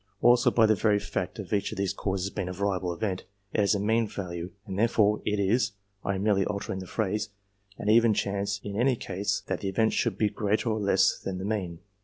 Also, by the very fact of each of these causes being a variable event, it has a mean value, and, therefore, it is (I am merely altering the phrase), an even chance in any case, that the event should be greater or less than the mean.